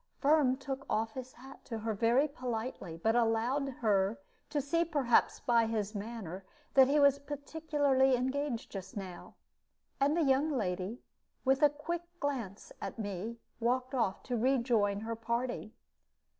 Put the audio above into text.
Firm took off his hat to her very politely, but allowed her to see perhaps by his manner that he was particularly engaged just now; and the young lady, with a quick glance at me, walked off to rejoin her party.